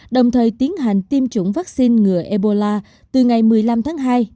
đồng thời tiến hành tiêm chủng vaccine ngừa ebola từ ngày một mươi năm tháng hai